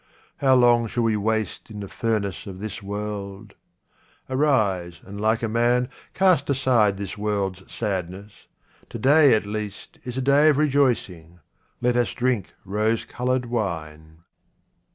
How long shall we waste in the furnace of this world ? Arise, and like a man cast aside this world's sadness. To day at least is a clay of rejoicing — let us drink rose coloured wine.